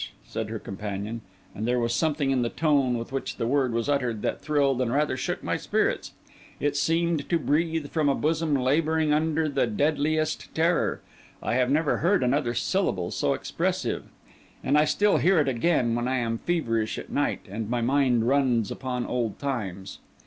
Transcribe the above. said her companion; and there was something in the tone with which the word was uttered that thrilled and rather shook my spirits. It seemed to breathe from a bosom labouring under the deadliest terror; I have never heard another syllable so expressive; and I still hear it again when I am feverish at night, and my mind runs upon old times.